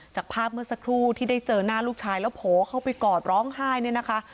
จากภาพเมื่อสักครู่ที่ได้เจอหน้าลูกชายแล้วโผล่เข้าไปกอดร้องไห้เนี่ยนะคะ